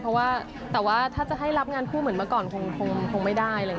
เพราะว่าถ้าจะให้รับงานผู้เหมือนเมื่อก่อนคงไม่ได้